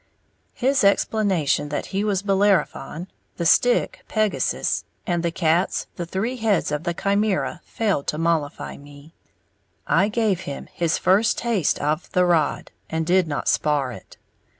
His explanation that he was Bellerophon, the stick Pegasus, and the cats the three heads of the Chimæra failed to mollify me. I gave him his first taste of "the rod," and did not "spar'" it.